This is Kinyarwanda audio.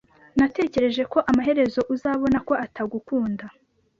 Natekereje ko amaherezo uzabona ko atagukunda.